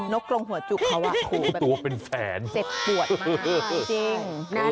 นกกรงหัวจุกเขาอ่ะตัวเป็นแฝนเสร็จปวดมาก